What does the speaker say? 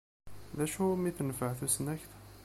D acu umi tenfeɛ tusnakt?